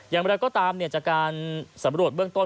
อย่างไรก็ตามจากการสำรวจเบื้องต้น